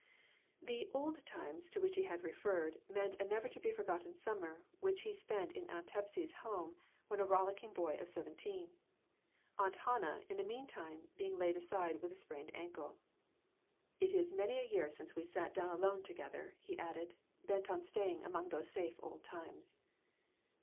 The "old times" to which he had referred meant a never to be forgotten summer which he spent in Aunt Hepsy's home when a rollicking boy of seventeen; Aunt Hannah in the mean time being laid aside with a sprained ankle. " It is many a year since we sat down alone MORAL EVOLUTION. 137 together," he added, bent on staying among those safe old times.